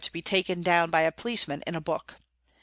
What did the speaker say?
to be " taken down " by a policeman in a book.